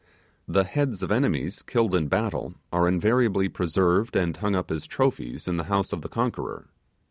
The heads of enemies killed in battle are invariably preserved and hung up as trophies in the house of the conqueror.